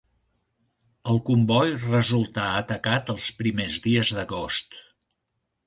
El comboi resultà atacat els primers dies d'agost.